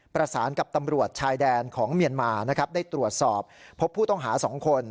ประสานกับตำรวจชายแดนของเมียนมานะครับได้ตรวจสอบพบผู้ต้องหา๒คน